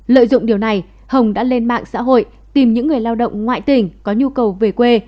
lợi dụng điều này hồng đã lên mạng xã hội tìm những người lao động ngoại tỉnh có nhu cầu về quê